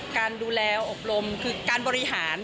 การดูแลอบรมคือการบริหาร